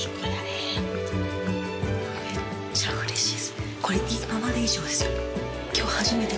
めっちゃうれしい。